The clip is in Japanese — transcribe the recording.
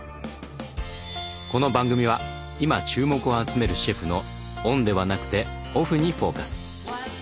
この番組は今注目を集めるシェフのオンではなくてオフにフォーカス。